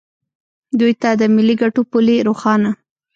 دوی ته د ملي ګټو پولې روښانه